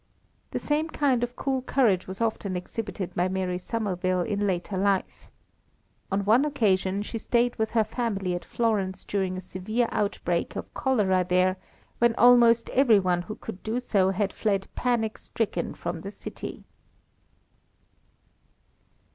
The same kind of cool courage was often exhibited by Mary Somerville in later life. On one occasion she stayed with her family at Florence during a severe outbreak of cholera there, when almost every one who could do so had fled panic stricken from the city.